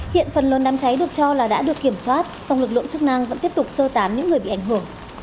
hiện phần lớn đám cháy được cho là đã được kiểm soát song lực lượng chức năng vẫn tiếp tục sơ tán những người bị ảnh hưởng